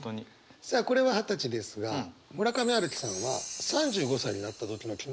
さあこれは二十歳ですが村上春樹さんは３５歳になった時の気持ちも表現しています。